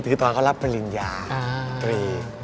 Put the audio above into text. คือตอนเขารับปริญญาตรี